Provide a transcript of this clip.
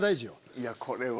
いやこれは。